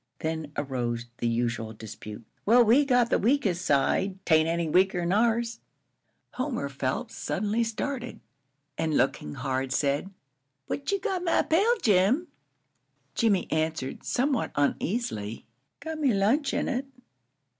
Then arose the usual dispute. "Well, we got the weakest side." "'Tain't any weaker'n ours." Homer Phelps suddenly started, and looking hard, said, "What you got in the pail, Jim?" Jimmie answered, somewhat uneasily, "Got m' lunch in it."